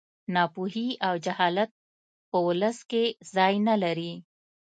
ناپوهي او جهالت په ولس کې ځای نه لري